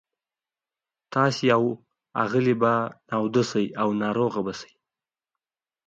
تاسي او آغلې به لانده شئ او ناروغه به شئ.